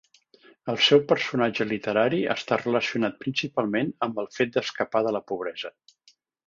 El seu personatge literari està relacionat principalment amb el fet d'escapar de la pobresa.